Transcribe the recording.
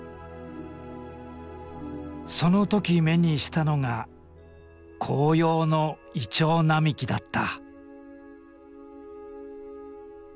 その時目にしたのが黄葉の銀杏並木だった。